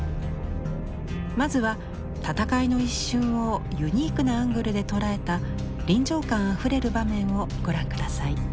まずは戦いの一瞬をユニークなアングルで捉えた臨場感あふれる場面をご覧下さい。